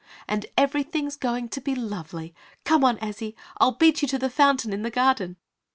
"And everything's going to be lovely! Come on, Azzy! I'll beat you to the fountain in the garden!"